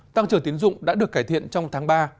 tăng trưởng tiến dụng đã được cải thiện trong tháng ba